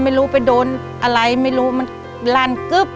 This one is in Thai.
ไม่รู้ไปโดนอะไรไม่รู้มันลั่นกึ๊บ